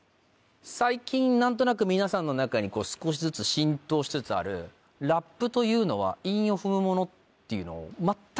最近何となく皆さんの中に少しずつ浸透しつつあるラップというのは韻を踏むものっていうのを。